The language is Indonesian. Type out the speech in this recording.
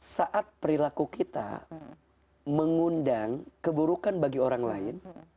saat perilaku kita mengundang keburukan bagi orang lain